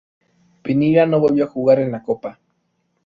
Pinilla no volvió a jugar en la copa.